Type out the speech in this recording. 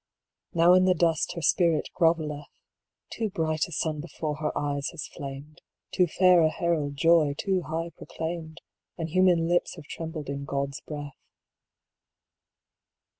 Now in the dust her spirit grovelleth; Too bright a Sun before her eyes has flamed, Too fair a herald joy too high proclaimed, And human lips have trembled in God's breath.